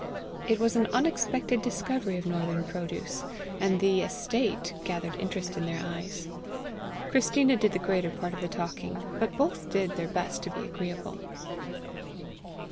It was an unexpected discovery of northern produce, and "the estate" gathered interest in their eyes. Christina did the greater part of the talking, but both did their best to be agreeable.